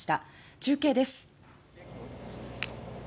中継です。